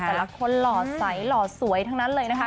แต่ละคนหล่อใสหล่อสวยทั้งนั้นเลยนะคะ